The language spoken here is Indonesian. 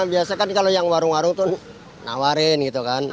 biasa kan kalau yang warung warung tuh nawarin gitu kan